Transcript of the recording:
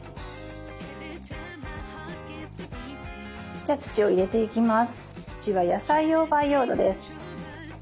じゃあ土を入れていきます。